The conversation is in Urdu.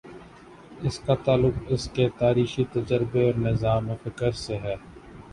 اس کا تعلق اس کے تاریخی تجربے اور نظام فکر سے ہے۔